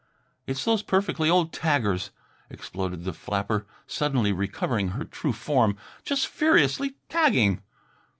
"It's those perfectly old taggers," exploded the flapper, suddenly recovering her true form, "just furiously tagging."